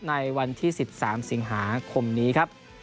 ในวันที่๑๓สิงหาคมนี้ครับ